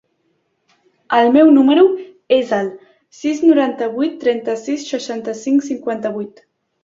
El meu número es el sis, noranta-vuit, trenta-sis, seixanta-cinc, cinquanta-vuit.